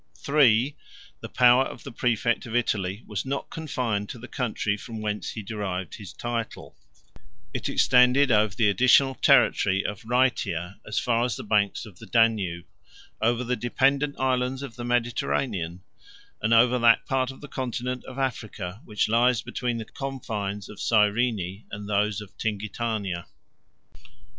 3. The power of the præfect of Italy was not confined to the country from whence he derived his title; it extended over the additional territory of Rhætia as far as the banks of the Danube, over the dependent islands of the Mediterranean, and over that part of the continent of Africa which lies between the confines of Cyrene and those of Tingitania.